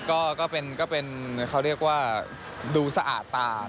ก็เป็นเขาเรียกว่าดูสะอาดตา